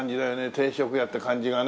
定食屋って感じがね。